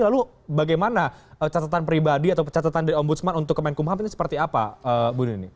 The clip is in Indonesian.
lalu bagaimana catatan pribadi atau catatan dari om budsman untuk kemen kumham ini seperti apa bundi ini